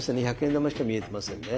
１００円玉しか見えてませんね。